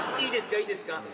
いいですか？